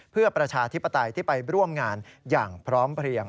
เพื่อประชาธิปไตยที่ไปร่วมงานอย่างพร้อมเพลียง